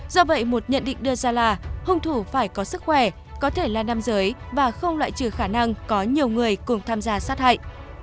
do vậy một nhận định đưa ra là hung thủ phải có sức khỏe có thể là nam giới và không loại trừ khả năng có nhiều người cùng tham gia sát hại